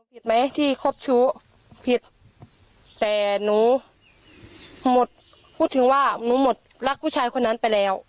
ผิดไหมที่ครบชู้ผิดแต่หนูหมดพูดถึงว่าหนูหมดรักผู้ชายคนนั้นไปแล้ว